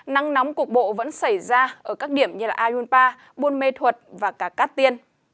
nắng nóng cục bộ vẫn xảy ra ở các điểm như ayunpa buôn mê thuật và cả cát tiên